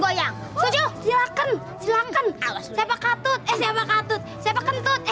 goyang silakan silakan siapa katut siapa katut siapa kentut